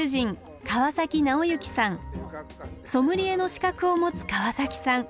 ソムリエの資格を持つ川崎さん。